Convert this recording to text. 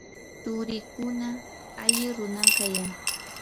turiikuna alli runam kayan.